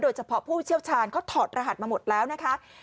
เฉพาะผู้เชี่ยวชาญเขาถอดรหัสมาหมดแล้วนะคะ